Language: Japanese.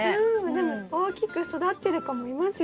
でも大きく育ってる子もいますよ。